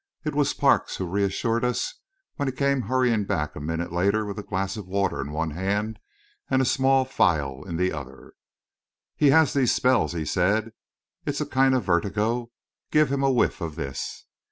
It was Parks who reassured us, when he came hurrying back a minute later with a glass of water in one hand and a small phial in the other. "He has these spells," he said. "It's a kind of vertigo. Give him a whiff of this."